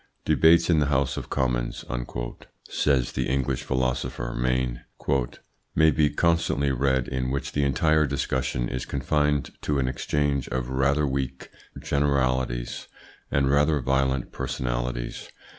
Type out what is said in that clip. "Debates in the House of Commons," says the English philosopher Maine, "may be constantly read in which the entire discussion is confined to an exchange of rather weak generalities and rather violent personalities.